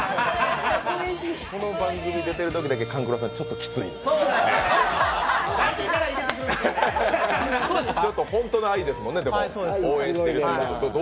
この番組に出るときだけ勘九郎さん、ちょっときついんですというか本当の愛ですもんね、応援しているという。